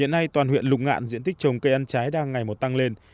hiện nay toàn huyện lục ngạn diện tích trồng cây ăn trái đang ngày một tăng lên